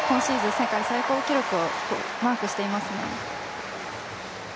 世界最高記録をマークしています。